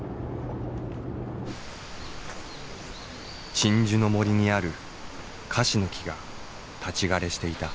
鎮守の森にあるカシの木が立ち枯れしていた。